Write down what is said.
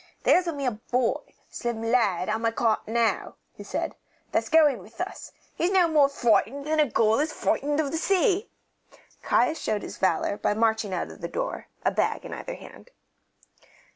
"There's a mere boy, a slim lad, on my cart now," he said, "that's going with us; he's no more froightened than a gull is froightened of the sea." Caius showed his valour by marching out of the door, a bag in either hand.